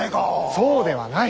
そうではない。